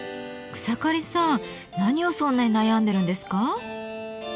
草刈さん何をそんなに悩んでるんですか？